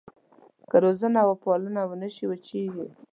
که روزنه وپالنه ونه شي وچېږي.